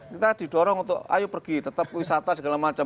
mendorong untuk ayo pergi tetap wisata segala macam